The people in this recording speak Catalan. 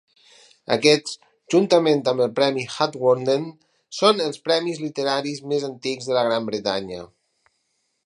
Aquests, juntament amb el Premi Hawthornden, són els premis literaris més antics de la Gran Bretanya.